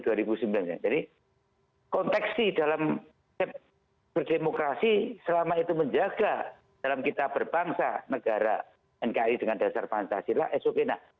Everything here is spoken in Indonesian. jadi konteksi dalam berdemokrasi selama itu menjaga dalam kita berbangsa negara nki dengan dasar pancasila esok enak